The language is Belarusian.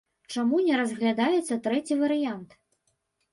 Чаму не разглядаецца трэці варыянт?